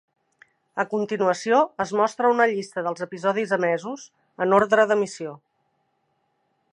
A continuació es mostra una llista dels episodis emesos, en ordre d'emissió.